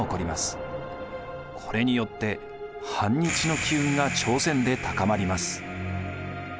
これによって反日の機運が朝鮮で高まります。